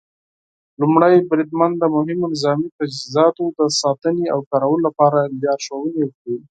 لومړی بریدمن د مهمو نظامي تجهیزاتو د ساتنې او کارولو لپاره لارښوونې ورکوي.